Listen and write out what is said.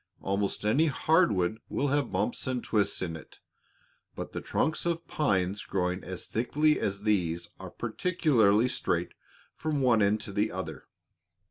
"Almost any hard wood will have bumps and twists in it, but the trunks of pines growing as thickly as these are practically straight from one end to the other."